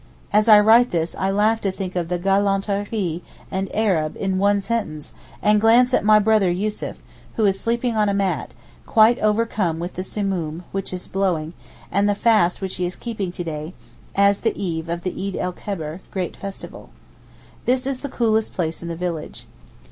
As I write this I laugh to think of galanterie and Arab in one sentence, and glance at 'my brother' Yussuf, who is sleeping on a mat, quite overcome with the Simoom (which is blowing) and the fast which he is keeping to day, as the eve of the Eed el Kebir (great festival). This is the coolest place in the village.